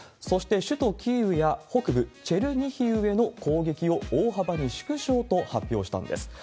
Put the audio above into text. そして、首都キーウや北部チェルニヒウへの攻撃を大幅に縮小と発表したんです。